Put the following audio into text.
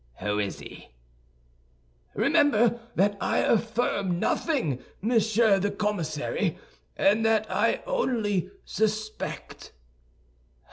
"Who is he?" "Remember that I affirm nothing, Monsieur the Commissary, and that I only suspect."